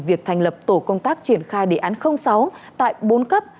việc thành lập tổ công tác triển khai đề án sáu tại bốn cấp